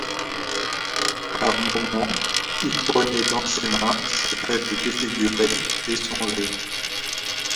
Par moment, il prenait dans ses mains sa tête défigurée, et songeait.